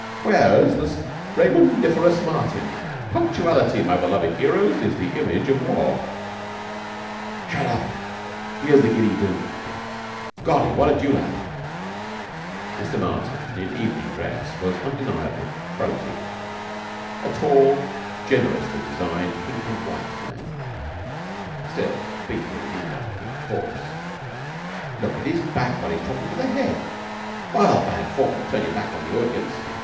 "Where's the Raymondiferous Martin? Punctuality, my beloved 'earers, is the image o' war " "Shut up. Here's the giddy Dook. Golly, what a dewlap!" Mr. Martin, in evening dress, was undeniably throaty a tall, generously designed, pink and white man. Still, Beetle need not have been coarse. "Look at his back while he's talkin' to the Head. Vile bad form to turn your back on the audience!